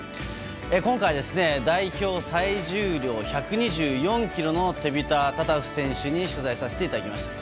今回代表最重量、１２４ｋｇのテビタ・タタフ選手に取材させていただきました。